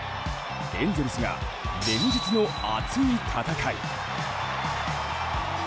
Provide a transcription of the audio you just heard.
エンゼルスが連日の熱い戦い。